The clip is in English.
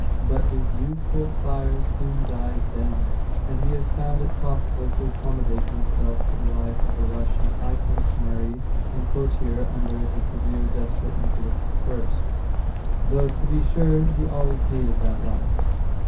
But his youthful fire soon died down, and he found it possible to accommodate himself to the life of a Russian high functionary and courtier under the severe despot Nicholas I, though, to be sure, he always hated that life.